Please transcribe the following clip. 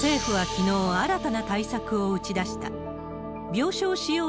政府はきのう、新たな対策を打ち出した。